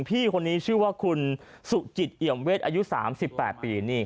พี่คนนี้ชื่อว่าคุณสุจิตเอี่ยมเวทอายุ๓๘ปี